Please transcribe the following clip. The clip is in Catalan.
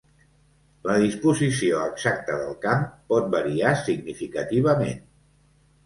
La disposició exacta del camp pot variar significativament.